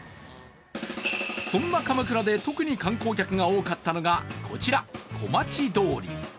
そんな鎌倉で特に観光客が多かったのが、こちら、小町通り。